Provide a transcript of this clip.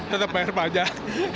tetap bayar pajak